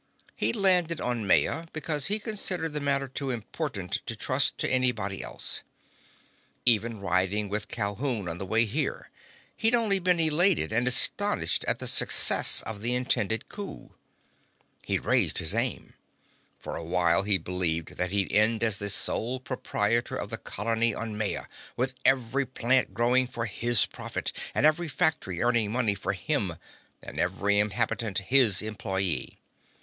He'd landed on Maya because he considered the matter too important to trust to anybody else. Even riding with Calhoun on the way here, he'd only been elated and astonished at the success of the intended coup. He'd raised his aim. For a while he'd believed that he'd end as the sole proprietor of the colony on Maya, with every plant growing for his profit, and every factory earning money for him, and every inhabitant his employee.